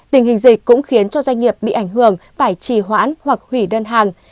tình hình dịch cũng khiến cho doanh nghiệp bị ảnh hưởng phải trì hoãn hoặc hủy đơn hàng